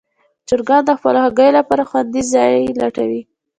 چرګان د خپلو هګیو لپاره خوندي ځای لټوي.